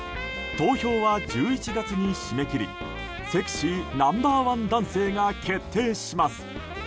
投票は１１月に締め切りセクシーナンバー１男性が決定します。